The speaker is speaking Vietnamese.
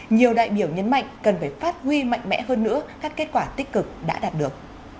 nhiều đại biểu nhấn mạnh cần phải phát huy mạnh mẽ hơn nữa các kết quả tích cực đã đạt được